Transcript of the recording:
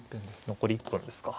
残り１分ですか。